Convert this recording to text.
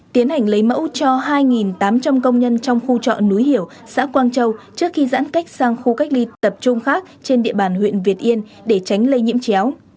tiến hành lấy mẫu cho hai tám trăm linh công nhân trong khu trọ núi hiểu xã quang châu trước khi giãn cách sang khu cách ly tập trung khác trên địa bàn huyện việt yên để tránh lây nhiễm chéo